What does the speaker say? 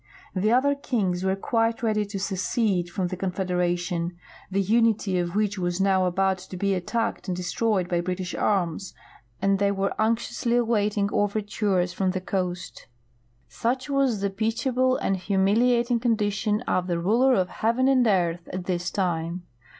The other kings were quite ready to secede from the confederation, the unity of which was now about to be attacked and destroyed by British arms, and they were anxiously awaiting overtures from the coast. Such was ttie pitiable and liumiliating condition of the " Ruler of Heaven and Earth " at this time.